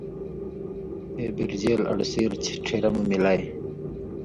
تے بِرژیل اڑوۡ سیر ڇھیرہ مہ ملائ۔